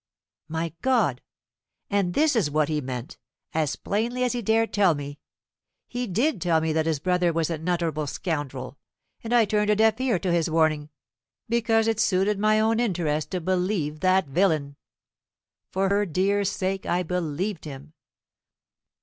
"My God! and this was what he meant, as plainly as he dared tell me! He did tell me that his brother was an unutterable scoundrel; and I turned a deaf ear to his warning, because it suited my own interest to believe that villain. For her dear sake I believed him.